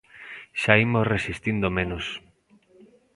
Xa imos resistindo menos.